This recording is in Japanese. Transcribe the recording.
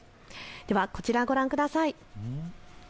ではこちらをご覧ください。